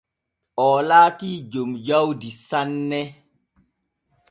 Oo laatii jom jawdi sanne.